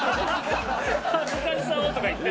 恥ずかしさをとか言って。